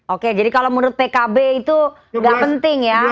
oke jadi kalau menurut pkb itu nggak penting ya